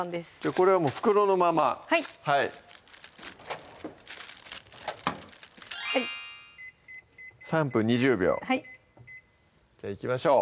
これはもう袋のままはい３分２０秒はいじゃあいきましょう